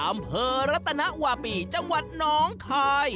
อำเภอรัตนวาปีจังหวัดน้องคาย